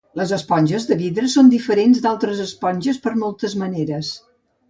Les esponges de vidre són diferents d'altres esponges per moltes maneres.